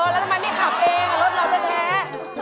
แล้วทำไมไม่ขับเองรถเราแท้